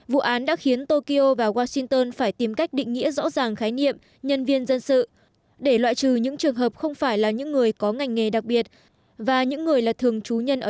vụ án đã khiến tokyo và washington phải tìm cách định nghĩa rõ ràng khái niệm nhân viên dân sự để loại trừ những trường hợp không phải là những người có ngành nghề đặc biệt và những người là thường trú nhân ở